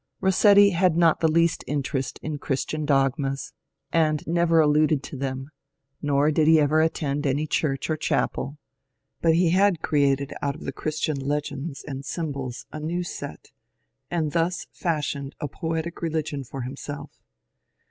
Rossetti had not the least interest in Christian dogmas, and 128 MONCURE DANIEL CONWAY never alluded to tbem, nor did he ever attend any church or chapel ; but he had created out of the Christian legends and symbols a new set, and thus fashioned a poetic religion for himself.